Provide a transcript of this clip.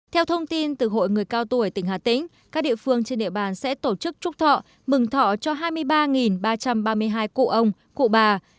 theo thông tin từ hội người cao tuổi tỉnh hà tĩnh các địa phương trên địa bàn sẽ tổ chức trúc thọ mừng thọ cho hai mươi ba ba trăm ba mươi hai cụ ông cụ bà